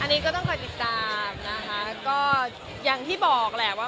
อันนี้ก็ต้องก่อติดตามอย่างที่บอกแหละ